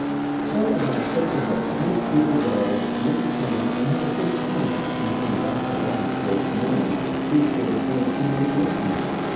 So about six of us sneaked through the guards, went to town and had a big time, and came back along towards morning, each with a canteen of whisky.